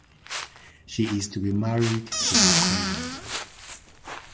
She is to be married to her cousin.